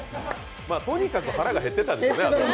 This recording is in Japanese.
とにかく腹が減ってたんでしょうね。